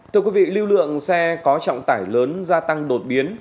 thưa quý vị lưu lượng xe có trọng tải lớn gia tăng đột biến